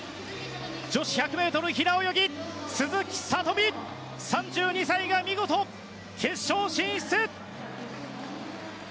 女子１００ｍ平泳ぎ鈴木聡美、３２歳が見事、決勝進出！